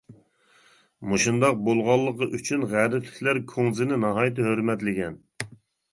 مۇشۇنداق بولغانلىقى ئۈچۈن غەربلىكلەر كۇڭزىنى ناھايىتى ھۆرمەتلىگەن.